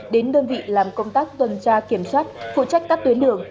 đến đơn vị làm công tác tuần tra kiểm soát phụ trách các tuyến đường